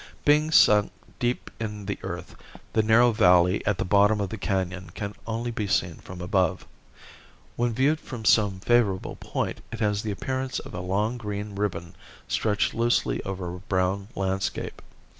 Being sunk deep in the earth the narrow valley at the bottom of the canon can only be seen from above. When viewed from some favorable point it has the appearance of a long green ribbon stretched loosely over a brown landscape.